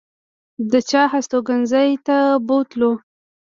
د پاچا هستوګنځي ته بوتلو.